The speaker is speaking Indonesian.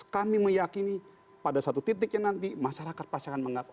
kami meyakini pada satu titiknya nanti masyarakat pasti akan mengaku